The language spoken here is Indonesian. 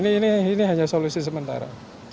ini hanya solusi sementara